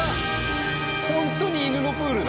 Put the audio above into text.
ホントに犬のプールだ。